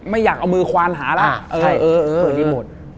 ไม่อยากเอามือควานหาละเออใช่เปิดรีโมท